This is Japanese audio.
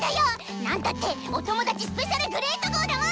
なんたっておともだちスペシャルグレート号だもん！